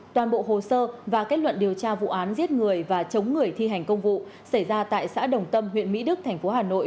toàn bộ hồ sơ và kết luận điều tra vụ án giết người và chống người thi hành công vụ xảy ra tại xã đồng tâm huyện mỹ đức thành phố hà nội